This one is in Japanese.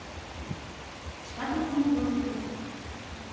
地下鉄の様子です。